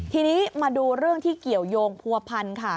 ทีนี้มาดูเรื่องที่เกี่ยวยงผัวพันค่ะ